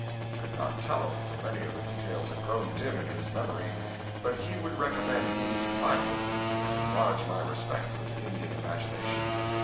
He could not tell it, for many of the details had grown dim in his memory; but he would recommend me to find it and enlarge my respect for the Indian imagination.